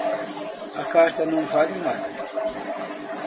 A carta não vale nada.